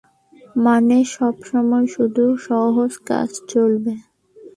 মানে, সবসময় শুধু সহজ কাজ চলবে।